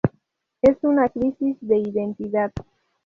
Es una crisis de identidad.